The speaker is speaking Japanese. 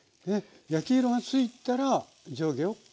焼き色がついたら上下を返す。